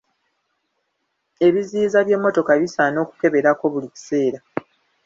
Ebiziyiza by'emmotoka bisaana okukeberako buli kiseera.